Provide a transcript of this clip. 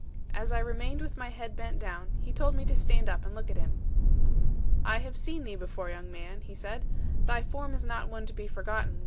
And as I remained with my head bent down, he told me to stand up, and look at him. 'I have seen thee before, young man, he said; 'thy form is not one to be forgotten.